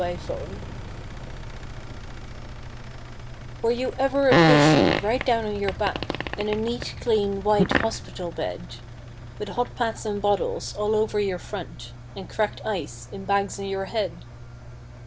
THE NURSE We're you ever a patient right down on your back In a neat, clean, white, hospital bed. With hot pads and bottles, all over your front And cracked ice, in bags on your head